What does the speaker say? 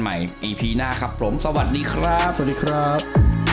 อีพีหน้าครับผมสวัสดีครับสวัสดีครับ